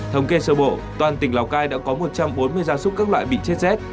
thống kê sơ bộ toàn tỉnh lào cai đã có một trăm bốn mươi gia súc các loại bị chết rét